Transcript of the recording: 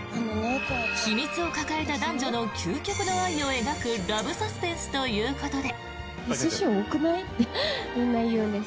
秘密を抱えた男女の究極の愛を描くラブサスペンスということで。